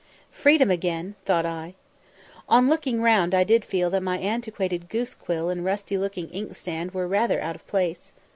"Freedom again," thought I. On looking round I did feel that my antiquated goose quill and rusty looking inkstand were rather out of place.